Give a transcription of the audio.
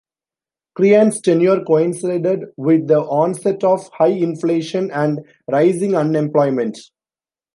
Crean's tenure coincided with the onset of high inflation and rising unemployment.